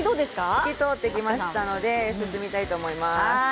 透き通ってきたので進みたいと思います。